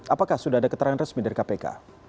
apakah sudah ada keterangan resmi dari kpk